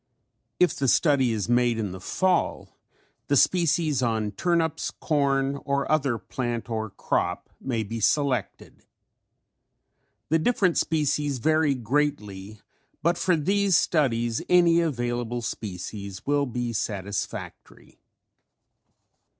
If the study is made in the fall the species on turnips, corn or other plant or crop may be selected. The different species vary greatly but for these studies any available species will be satisfactory.